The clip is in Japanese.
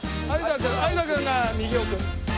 有田君が右奥。